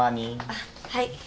はい。